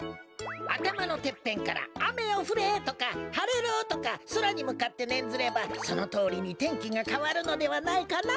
あたまのてっぺんから「あめよふれ！」とか「はれろ！」とかそらにむかってねんずればそのとおりに天気がかわるのではないかな？